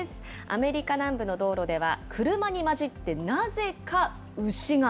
アメリカ南部の道路では、車に交じってなぜか牛が。